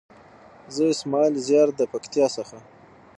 زه اسماعيل زيار د پکتيا څخه.